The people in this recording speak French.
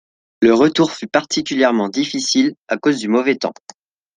Le retour fut particulièrement difficile à cause du mauvais temps.